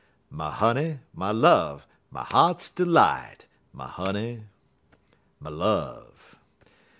My honey, my love, my heart's delight My honey, my love!